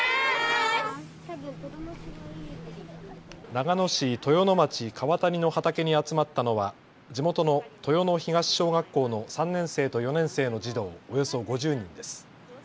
長野市豊野町川谷の畑に集まったのは地元の豊野東小学校の３年生と４年生の児童およそ５０人です。